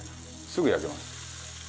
すぐ焼けます。